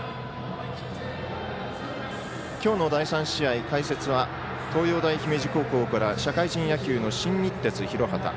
きょうの第３試合、解説は東洋大姫路高校から社会人野球の新日鉄広畑。